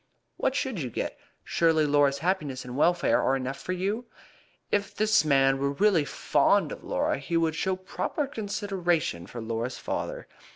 "What should you get? Surely Laura's happiness and welfare are enough for you?" "If this man were really fond of Laura he would show proper consideration for Laura's father.